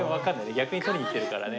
逆に取りにいけるからね。